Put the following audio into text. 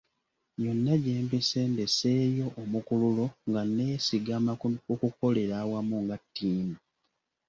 Yonna gye mpise ndeseeyo omukululo nga nneesigama ku kukolera awamu nga ttiimu.